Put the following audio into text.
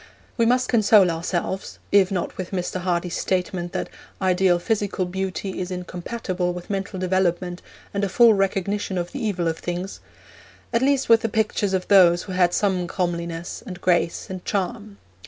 We must console ourselves if not with Mr. Hardy's statement that 'ideal physical beauty is incompatible with mental development, and a full recognition of the evil of things' at least with the pictures of those who had some comeliness, and grace, and charm.